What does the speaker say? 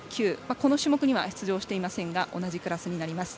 この種目には出場していませんが同じクラスになります。